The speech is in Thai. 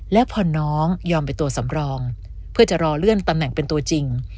แล้วพอน้องยอมไปตัวสำรองเพื่อจะรอเลื่อนตำแหน่งเป็นตัวจริง